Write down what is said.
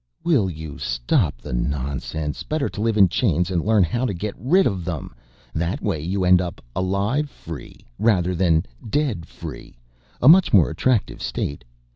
"Will you stop the nonsense. Better to live in chains and learn how to get rid of them. That way you end up alive free rather than dead free, a much more attractive state.